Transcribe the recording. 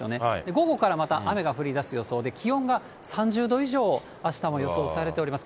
午後からまた雨が降りだす予想で、気温が３０度以上、あしたも予想されております。